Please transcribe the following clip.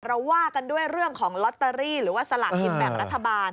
ว่ากันด้วยเรื่องของลอตเตอรี่หรือว่าสลากกินแบ่งรัฐบาล